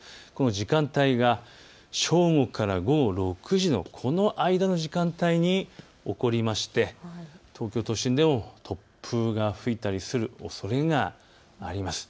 時間帯が正午から午後６時の間の時間帯に起こって東京都心でも突風が吹いたりするおそれがあります。